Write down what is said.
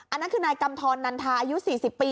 อันนั้นคือนายกำทรนันทาอายุ๔๐ปี